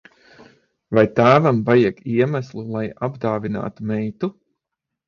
Vai tēvam vajag iemeslu, lai apdāvinātu meitu?